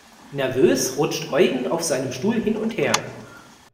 Nervös rutscht Eugen auf seinem Stuhl hin und her.